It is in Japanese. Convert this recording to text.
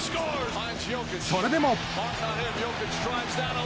それでも。